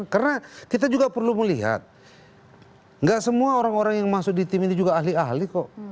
karena kita juga perlu melihat nggak semua orang orang yang masuk di tim ini juga ahli ahli kok